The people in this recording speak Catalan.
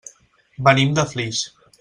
Venim de Flix.